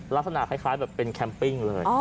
ลักษณะคล้ายคล้ายแบบเป็นแคมปปิ้งเลยอ๋อ